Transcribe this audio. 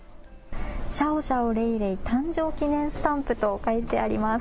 シャオシャオ・レイレイ誕生日記念スタンプと書いてあります。